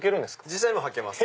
実際に履けます。